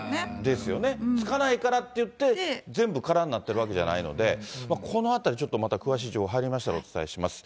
つかないからっていって、全部空になってるわけじゃないので、このあたり、ちょっとまた詳しい情報入りましたらお伝えします。